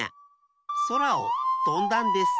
そらをとんだんです。